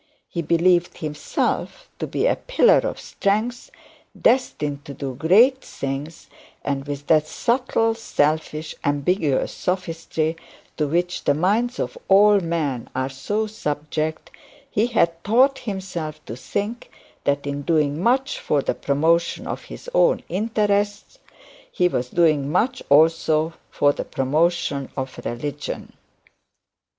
He believed himself to be the pillar of strength, destined to do great things; and with that subtle, selfish, ambiguous sophistry to which the minds of all men are so subject, he had taught himself to think that in doing much for the promotion of his own interests he was doing much also for the promotion of religion.